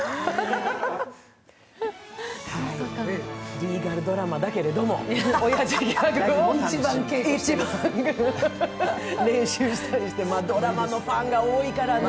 リーガルドラマたけども、オヤジギャグを一番練習したりして、ドラマのファンが多いからね。